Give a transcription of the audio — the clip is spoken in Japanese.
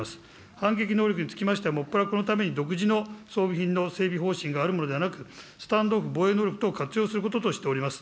反撃能力につきましては専らこのために独自の装備品の整備方針があるものではなく、スタンド・オフ防衛能力を活用することとしております。